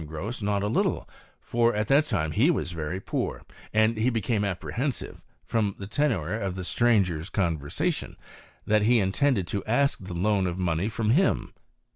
Gros not a little — for at thj time he was very poor — and he became apprehensiv from the tenour of the stranger's conversation, that I intended to ask the loan of money from him.